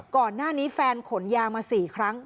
ก่อนหน้านี้แฟนขนยามา๔ครั้ง